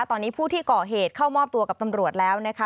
ตอนนี้ผู้ที่ก่อเหตุเข้ามอบตัวกับตำรวจแล้วนะคะ